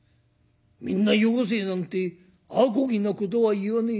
『みんなよこせ』なんてあこぎなことは言わねえ。